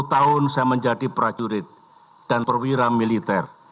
lima belas tahun saya menjadi prajurit dan perwira militer